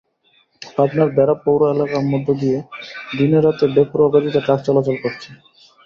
পাবনার বেড়া পৌর এলাকার মধ্য দিয়ে দিনে-রাতে বেপরোয়া গতিতে ট্রাক চলাচল করছে।